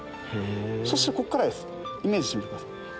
そしてこっからですイメージしてみてください。